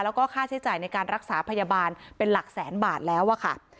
แล้วก็ค่าใช้จ่ายในการรักษาพยาบาลเป็นหลักแสนบาทแล้วอะค่ะ